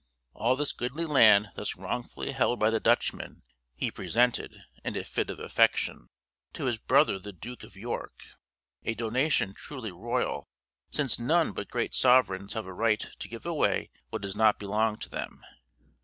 All this goodly land thus wrongfully held by the Dutchmen, he presented, in a fit of affection, to his brother the Duke of York, a donation truly royal, since none but great sovereigns have a right to give away what does not belong to them.